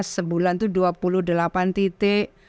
sebulan itu dua puluh delapan titik